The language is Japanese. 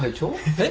えっ？